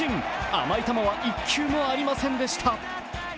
甘い球は１球もありませんでした。